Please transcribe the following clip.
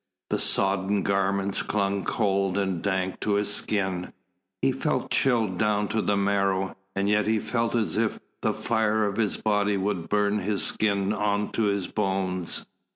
The sodden garments clung cold and dank to his skin, he felt chilled down to the marrow, and yet he felt as if the fire of his body would burn his skin on to his bones.